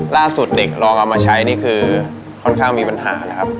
ล่าสุดเด็กลองเอามาใช้นี่คือค่อนข้างมีปัญหานะครับ